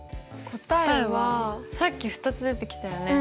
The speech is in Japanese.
さっき２つ出てきたよね。